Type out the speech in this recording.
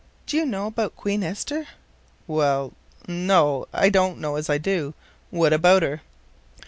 Do you know 'bout Queen Esther?" "Well, no, I don't know as I do. What about her?"